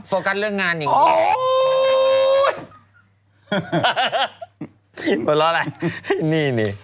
โฟกัสเรื่องงานหนึ่ง